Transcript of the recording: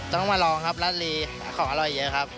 ต้องมาลองครับลาดลีของอร่อยเยอะครับ